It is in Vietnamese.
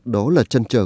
đó là chăn trở